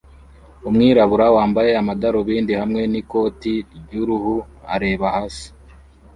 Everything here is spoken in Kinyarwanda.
Umwirabura wambaye amadarubindi hamwe n'ikoti ry'uruhu areba hasi